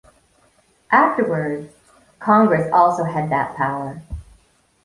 Afterwards, Congress also had that power.